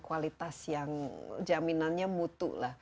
kualitas yang jaminannya mutu lah